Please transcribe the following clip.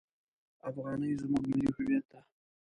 افغانۍ زموږ ملي هویت ده!